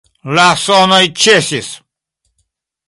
La sonoj ĉesis.